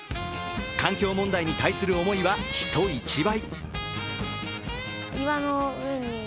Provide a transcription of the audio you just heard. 環境問題に対する思いは人一倍。